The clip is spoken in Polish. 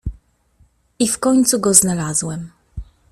"I w końcu go znalazłem."